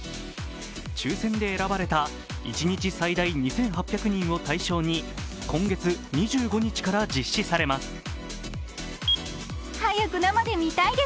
抽選で選ばれた一日最大２８００人を対象に今月２５日から実施されます。